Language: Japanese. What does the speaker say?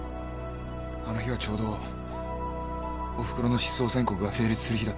あの日はちょうどおふくろの失踪宣告が成立する日だったから。